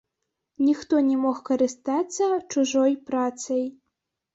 Ніхто не мог карыстацца чужой працай.